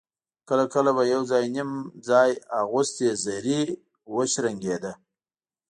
کله کله به يو _نيم ځای اغوستې زرې وشرنګېدې.